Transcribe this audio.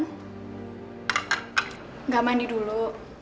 enggak mandi dulu